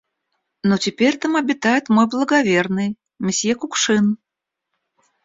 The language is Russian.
Но теперь там обитает мой благоверный, мсье Кукшин.